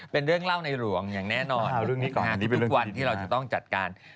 เป็นเรื่องเล่าในหลวงอย่างแน่นอนทุกวันที่เราจะต้องจัดการ